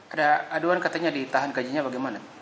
ada aduan katanya ditahan gajinya bagaimana